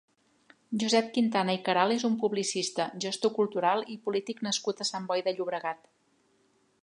Josep Quintana i Caralt és un publicista, gestor cultural i polític nascut a Sant Boi de Llobregat.